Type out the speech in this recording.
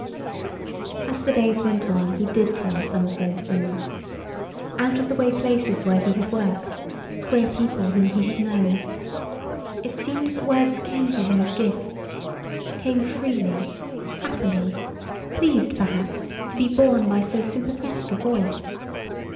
As the days went on he did tell some of those things out of the way places where he had worked, queer people whom he had known. It seemed that words came to him as gifts, came freely, happily, pleased, perhaps, to be borne by so sympathetic a voice.